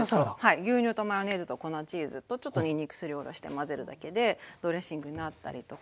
牛乳とマヨネーズと粉チーズとちょっとにんにくすりおろして混ぜるだけでドレッシングになったりとか。